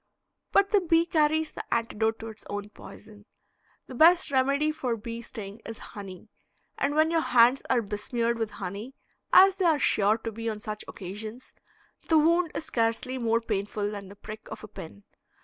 But the bee carries the antidote to its own poison. The best remedy for bee sting is honey, and when your hands are besmeared with honey, as they are sure to be on such occasions, the wound is scarcely more painful than the prick of a pin.